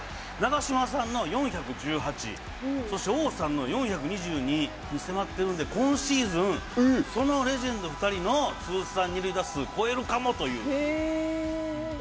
長嶋さんの４１８そして王さんの４２２に迫ってるんで今シーズンそのレジェンド２人の通算二塁打数超えるかもという。